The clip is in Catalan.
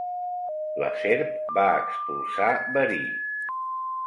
La serp va expulsar verí.